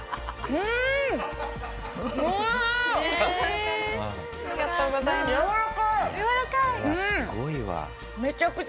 うわっすごいわ。